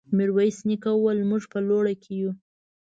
ميرويس نيکه وويل: موږ په لوړه کې يو.